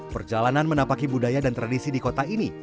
perjalanan menapaki budaya dan tradisi di kota ini